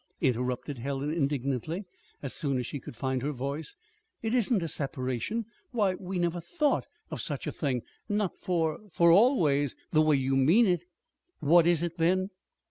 interrupted Helen indignantly, as soon as she could find her voice. "It isn't a separation. Why, we never thought of such a thing; not for for always, the way you mean it." "What is it, then?"